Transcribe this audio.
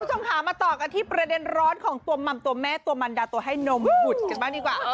คุณผู้ชมค่ะมาต่อกันที่ประเด็นร้อนของตัวมัมตัวแม่ตัวมันดาตัวให้นมผุดกันบ้างดีกว่า